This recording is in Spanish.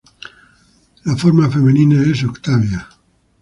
La forma femenina es "Octavia".